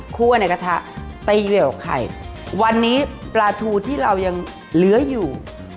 ในกระทะไปเหลวไข่วันนี้ปลาทูที่เรายังเหลืออยู่